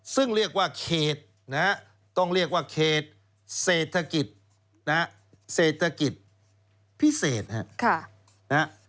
ซึ่งเรียกว่าเขตนะฮะต้องเรียกว่าเขตเศรษฐกิจนะฮะเศรษฐกิจพิเศษนะครับ